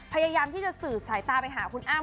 พยายามที่จะสื่อสายตาไปหาคุณอ้ำ